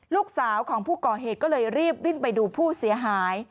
ลูกสาวของผู้ก่อเหตุก็เลยรีบวิ่งไปดูผู้เสียหาย